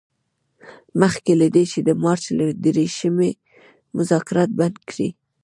مخکې له دې چې د مارچ له دیرشمې مذاکرات بند کړي.